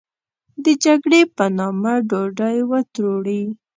د جګړې په نامه ډوډۍ و تروړي.